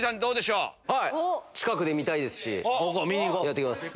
近くで見たいですしやってきます。